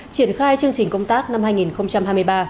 triển khai chương trình công tác năm hai nghìn hai mươi ba